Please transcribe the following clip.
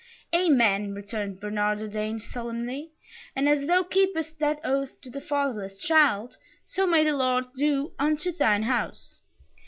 "Amen!" returned Bernard the Dane, solemnly, "and as thou keepest that oath to the fatherless child, so may the Lord do unto thine house!"